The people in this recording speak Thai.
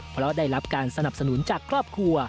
เพราะได้รับการสนับสนุนจากครอบครัว